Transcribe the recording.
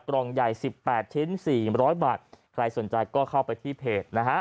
กล่องใหญ่๑๘ชิ้น๔๐๐บาทใครสนใจก็เข้าไปที่เพจนะฮะ